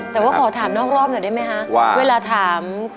แต่ว่าขอถามนอกรอบหน่อยได้ไหมคะ